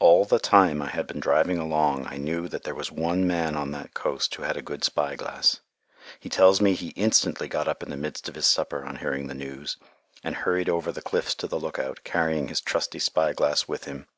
All the time I had been driving along I knew that there was one man on that coast who had a good spy glass. He tells me he instantly got up in the midst of his supper, on hearing the news, and hurried over the cliffs to the lookout, carrying his trusty spy glass with him.